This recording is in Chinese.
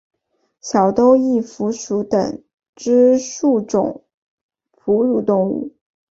小兜翼蝠属等之数种哺乳动物。